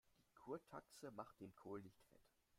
Die Kurtaxe macht den Kohl nicht fett.